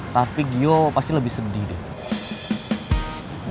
tapi gio pasti lebih sedih deh